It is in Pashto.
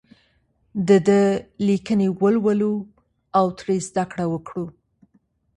د ده لیکنې ولولو او ترې زده کړه وکړو.